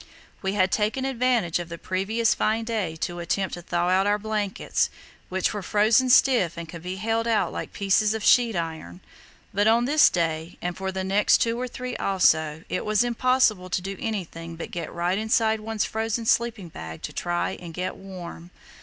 We had taken advantage of the previous fine day to attempt to thaw out our blankets, which were frozen stiff and could be held out like pieces of sheet iron; but on this day, and for the next two or three also, it was impossible to do anything but get right inside one's frozen sleeping bag to try and get warm.